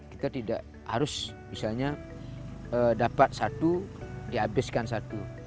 kita tidak harus misalnya dapat satu dihabiskan satu